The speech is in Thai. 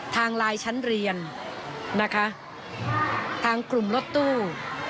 ทางไลน์ชั้นเรียนนะคะทางกลุ่มรถตู้